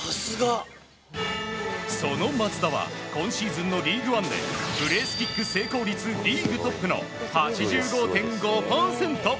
その松田は今シーズンのリーグワンでプレースキック成功率リーグトップの８５．５％。